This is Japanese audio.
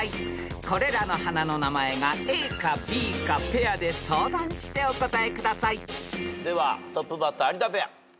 ［これらの花の名前がＡかＢかペアで相談してお答えください］ではトップバッター有田ペア。